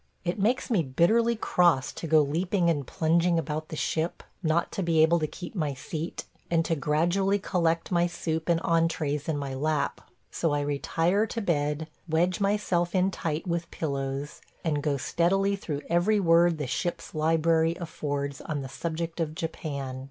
It makes me bitterly cross to go leaping and plunging about the ship, not to be able to keep my seat, and to gradually collect my soup and entrées in my lap; so I retire to bed, wedge myself in tight with pillows, and go steadily through every word the ship's library affords on the subject of Japan.